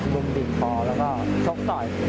บีบคอแล้วก็ชกต่อย